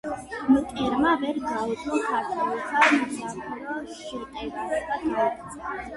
მტერმა ვერ გაუძლო ქართველთა მძაფრ შეტევას და გაიქცა.